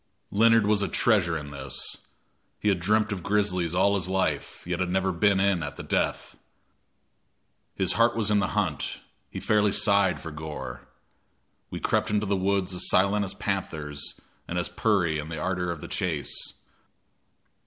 Leonard was a treasure in this. He had dreamt of grizzlies all his life, yet had never been in at the death. His heart was in the hunt he fairly sighed for gore. We crept into the woods as silent as panthers and as "purry" in the ardor of the chase.